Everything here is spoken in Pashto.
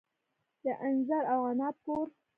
د انځر او عناب کور.